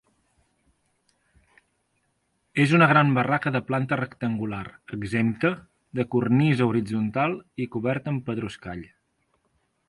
És una gran barraca de planta rectangular, exempta, de cornisa horitzontal i coberta amb pedruscall.